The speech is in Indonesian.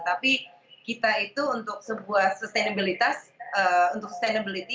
tapi kita itu untuk sebuah sustainability